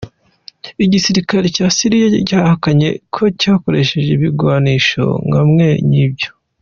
Igisirikare ca Syria cahakanye ko cakoresheje ibigwanisho nka mwenivyo.